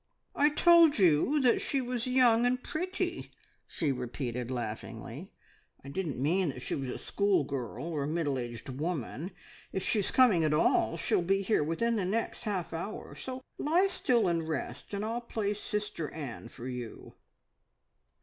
"I told you that she was young and pretty!" she repeated laughingly. "I didn't mean that she was a schoolgirl, or a middle aged woman. If she is coming at all she will be here within the next half hour, so lie still and rest, and I'll play Sister Anne for you."